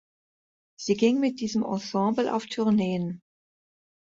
Sie ging mit diesem Ensemble auf Tourneen.